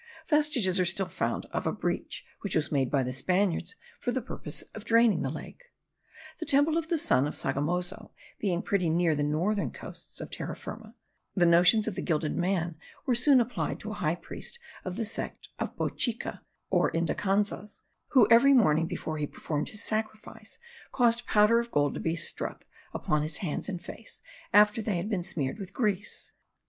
Vestiges are still found of a breach which was made by the Spaniards for the purpose of draining the lake. The temple of the sun at Sogamozo being pretty near the northern coasts of Terra Firma, the notions of the gilded man were soon applied to a high priest of the sect of Bochica, or Indacanzas, who every morning, before he performed his sacrifice, caused powder of gold to be stuck upon his hands and face, after they had been smeared with grease.